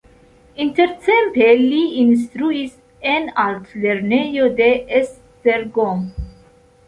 Intertempe li instruis en altlernejo de Esztergom.